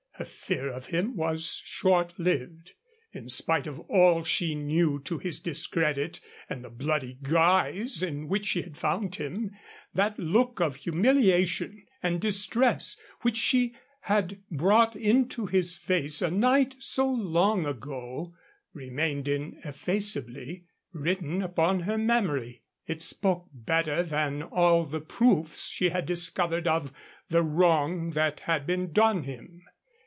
Her fear of him was short lived. In spite of all she knew to his discredit and the bloody guise in which she had found him, that look of humiliation and distress which she had brought into his face a night so long ago remained ineffaceably written upon her memory. It spoke better than all the proofs she had discovered of the wrong that had been done him.